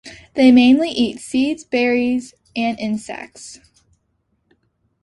They mainly eat seeds, berries, and insects.